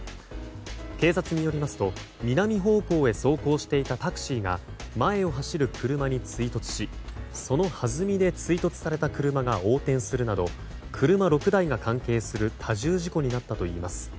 警察によりますと南方向へ走行していたタクシーが前を走る車に追突しそのはずみで追突された車が横転するなど車６台が関係する多重事故になったといいます。